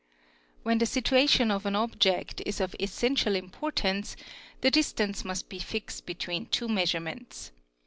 When the situation of an object is of essential importance the distance must be fixed by two measurements.